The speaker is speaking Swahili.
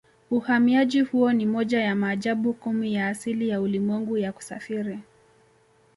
Uhamiaji huo ni moja ya maajabu kumi ya asili ya ulimwengu ya kusafiri